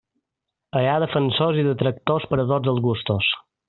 Hi ha defensors i detractors per a tots els gustos.